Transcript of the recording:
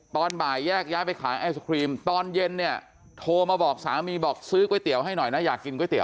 ตอนบ่ายแยกย้ายไปขายไอศครีมตอนเย็นเนี่ยโทรมาบอกสามีบอกซื้อก๋วยเตี๋ยวให้หน่อยนะอยากกินก๋วเตี๋